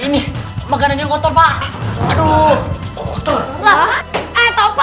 ini makannya kotor pak aduh